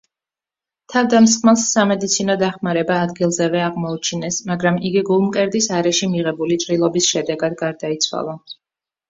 თავდამსხმელს სამედიცინო დახმარება ადგილზევე აღმოუჩინეს, მაგრამ იგი გულმკერდის არეში მიღებული ჭრილობის შედეგად გარდაიცვალა.